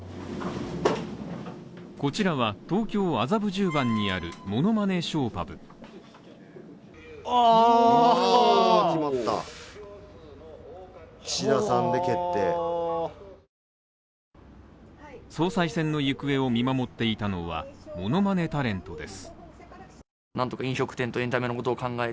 こちらは、東京麻布十番にあるものまねショーパブ総裁選の行方を見守っていたのは、ものまねタレントです。